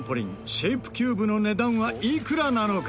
シェイプキューブの値段はいくらなのか？